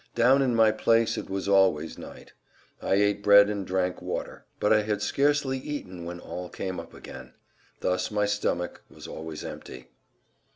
Down in my place it was always night. I ate bread and drank water. But I had scarcely eaten when all came up again. Thus my stomach was always empty.